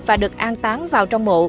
và được an tán vào trong mộ